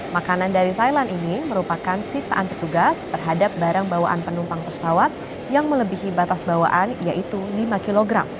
makanan dari thailand ini merupakan sitaan petugas terhadap barang bawaan penumpang pesawat yang melebihi batas bawaan yaitu lima kg